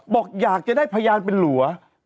บอกอยากจะได้พยานเป็นหลัว